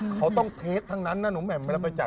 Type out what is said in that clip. เขาต้องเทคทั้งนั้นนะหนุ่มแห่งมันไปจัด